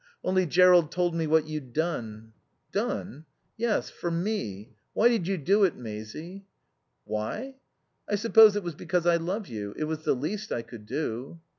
Only Jerrold told me what you'd done." "Done?" "Yes, for me. Why did you do it, Maisie?" "Why? I suppose it was because I love you. It was the least I could do."